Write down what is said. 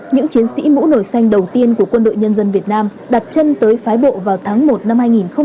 những chiến sĩ mũ nổi xanh đầu tiên của quân đội nhân dân việt nam đặt chân tới phái bộ vào tháng một năm hai nghìn một mươi chín